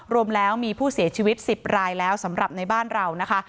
รวมแล้วมีผู้เสียชีวิต๑๐รายแล้วสำหรับในบ้านเรานะคะ